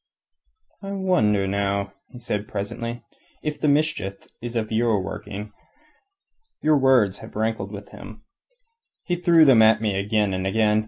"I wonder, now," he said presently, "if the mischief is of your working. Your words have rankled with him. He threw them at me again and again.